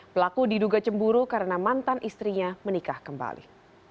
pelaku diduga cemburu karena mantan istrinya menikah kembali